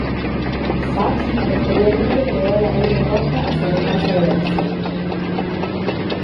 Isaacs posteriormente creó a la Reina Roja a semejanza de Alicia.